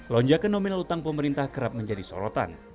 lonjakan nominal utang pemerintah kerap menjadi sorotan